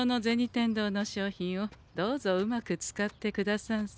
天堂の商品をどうぞうまく使ってくださんせ。